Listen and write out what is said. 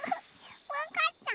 わかった？